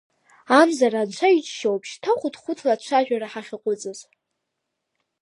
Амзара анцәа иџьшьоуп шьҭа хәыҭхәыҭла ацәажәара ҳахьаҟәыҵыз.